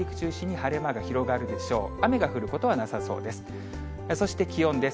雨が降ることはなさそうです。